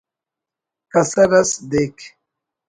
کسر اس دیک